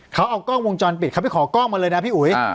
เขาเอากล้องวงจรปิดเขาไปขอกล้องมาเลยนะพี่อุ๋ย